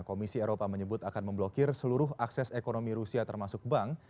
komisi eropa menyebut akan memblokir seluruh akses ekonomi rusia termasuk bank